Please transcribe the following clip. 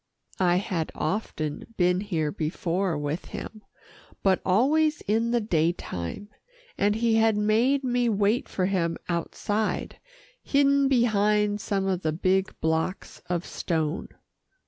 I had often been here before with him, but always in the daytime, and he had made me wait for him outside, hidden behind some of the big blocks of stone.